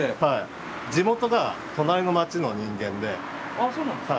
あそうなんですか？